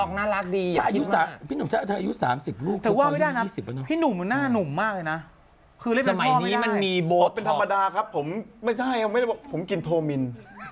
ผมกินโฮมิ็นฮะวิจัมมีนอยู่โรมโฮมิน